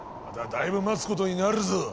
まだだいぶ待つことになるぞ。